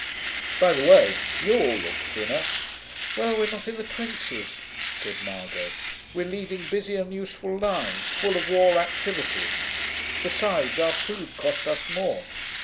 By the way, you all look thinner.' 'Well, we're not in the trenches,' said Margot. 'We're leading busy and useful lives, full of war activities. Besides, our food costs us more.